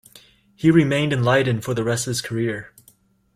He remained in Leiden for the rest of his career.